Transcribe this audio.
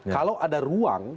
kalau ada ruang